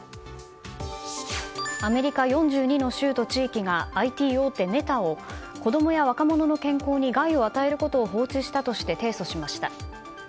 アメリカ４２の州と地域がＩＴ大手メタを子供や若者の健康に害を与えることを放置したとして提訴しました。